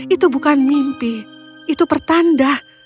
itu bukan mimpi itu pertanda